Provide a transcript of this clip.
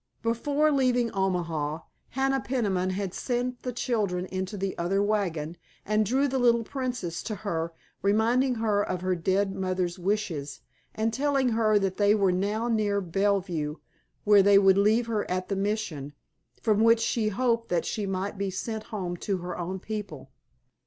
Before leaving Omaha, Hannah Peniman had sent the children into the other wagon, and drew the little Princess to her, reminding her of her dead mother's wishes, and telling her that they were now near Bellevue, where they would leave her at the Mission, from which she hoped that she might be sent home to her own people.